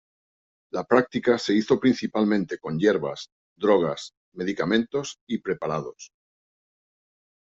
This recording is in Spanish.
La práctica se hizo principalmente con hierbas, drogas, medicamentos y preparados.